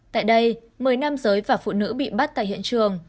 tại đây một mươi nam giới và phụ nữ bị bắt tại hiện trường